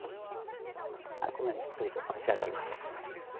こんなふうにしっとりと仕上がります。